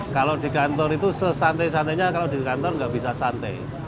kalau di kantor itu sesantai santainya kalau di kantor nggak bisa santai